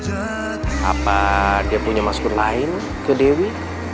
apa dia punya masker lain ke dewi